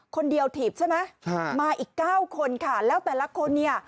คนเดียวถีบใช่ไหมค่ะมาอีกเก้าคนค่ะแล้วแต่ละคนเนี้ย